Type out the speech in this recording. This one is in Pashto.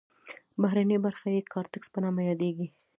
بهرنۍ برخه یې کارتکس په نامه یادیږي.